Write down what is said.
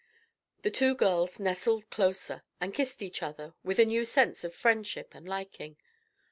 The two girls nestled closer and kissed each other, with a new sense of friendship and liking.